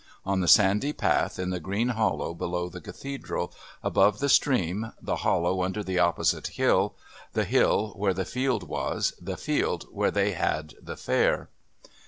On the sandy path in the green hollow below the Cathedral, above the stream, the hollow under the opposite hill, the hill where the field was, the field where they had the Fair.